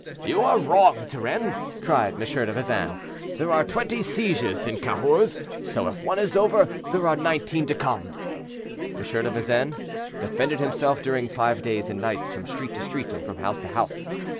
"You are wrong, Turenne," cried M. de Vezin, "there are twenty sieges in Cahors; so if one is over, there are nineteen to come." M. de Vezin defended himself during five days and nights from street to street and from house to house.